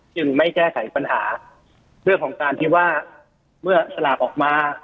จึงไม่แก้ไขปัญหาเรื่องของการที่ว่าเมื่อสลากออกมา